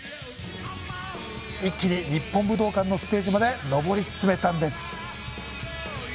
一気に日本武道館のステージまで上り詰めたんです。